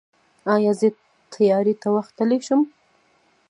ایا زه طیارې ته وختلی شم؟